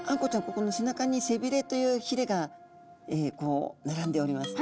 ここの背中に背びれというひれが並んでおります。